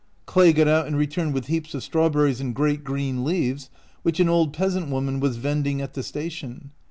Clay got out and returned with heaps of strawberries in great green leaves, which an old peasant woman was vending at the station.